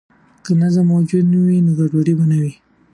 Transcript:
که نظم موجود وي، نو ګډوډي نه وي.